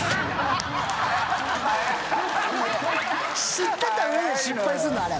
知ってたうえで失敗するんだあれ。